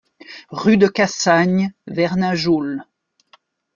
Rue de Cassagne, Vernajoul